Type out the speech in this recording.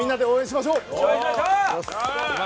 しましょう！